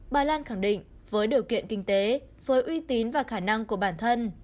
bà lan khẳng định với điều kiện kinh tế với uy tín và khả năng của bản thân